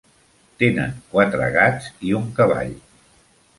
Tenen quatre gats i un cavall.